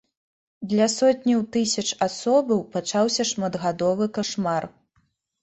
Для сотняў тысяч асобаў пачаўся шматгадовы кашмар.